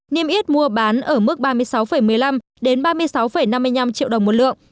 niêm yết mua bán ở mức ba mươi sáu một mươi năm đến ba mươi sáu năm mươi năm triệu đồng một lượng